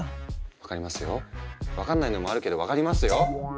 分かりますよ分かんないのもあるけど分かりますよ。